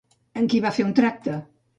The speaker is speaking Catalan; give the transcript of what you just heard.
Amb qui va fer un tracte?